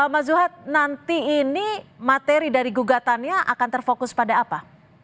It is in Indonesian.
mas zuhad nanti ini materi dari gugatannya akan terfokus pada apa